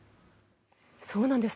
そうなんです。